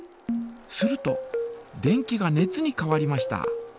すると電気が熱に変わりました。